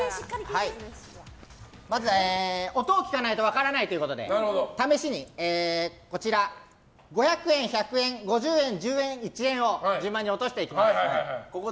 まず、音を聞かないと分からないということで試しに５００円、１００円５０円、１０円をそして１円を順番に落としていきます。